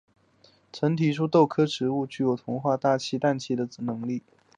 曾提出豆科植物具有同化大气氮气的能力。